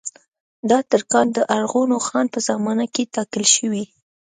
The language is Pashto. دا ترکان د ارغون خان په زمانه کې ټاکل شوي.